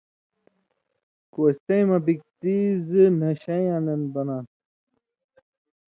کوستَیں مہ بِگ څیز نشَیں یان دن بناں تھُو۔